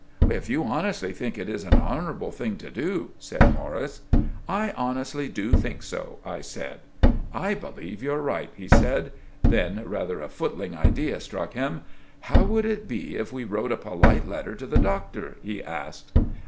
"If you honestly think it is an honourable thing to do——" said Morris. "I honestly do think so," I said. "I believe you're right," he said. Then rather a footling idea struck him. "How would it be if we wrote a polite letter to the Doctor?" he asked.